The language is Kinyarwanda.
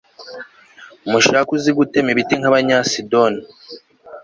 mushake uzi gutema ibiti nk'abanyasidoni